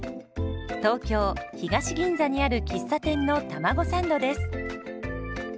東京・東銀座にある喫茶店のたまごサンドです。